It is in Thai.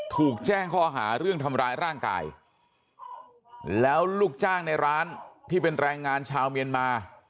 ถูกแจ้งข้อหาเรื่องทำร้ายร่างกายแล้วลูกจ้างในร้านที่เป็นแรงงานชาวเมียนมา